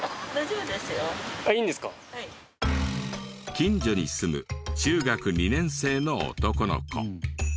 近所に住む中学２年生の男の子。